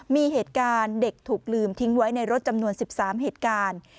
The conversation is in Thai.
มีเหตุการณ์เด็กถูกลืมทิ้งไว้ในรถจำนวน๑๓เหตุการณ์